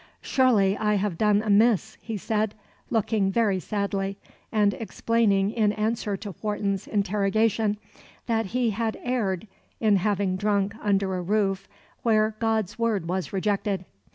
"Surely I have done amiss," he said, looking "very sadly," and explaining, in answer to Wharton's interrogation, that he had erred in having drunk under a roof where God's word was rejected.